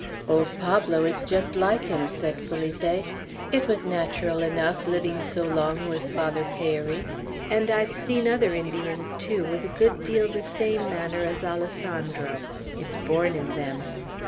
"Old Pablo is just like him," said Felipe. "It was natural enough, living so long with Father Peyri. And I've seen other Indians, too, with a good deal the same manner as Alessandro. It's born in them."